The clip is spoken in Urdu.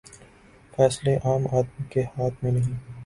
فیصلے عام آدمی کے ہاتھ میں نہیں۔